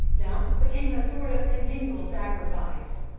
Dumps became a sort of continual sacrifice.